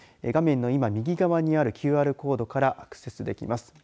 画面の今右側にあるＱＲコードからアクセスできます。